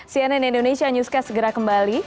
cnn indonesia newscast segera kembali